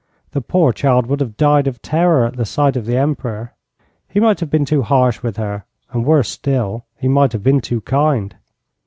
The poor child would have died of terror at sight of the Emperor. He might have been too harsh with her and worse still, he might have been too kind.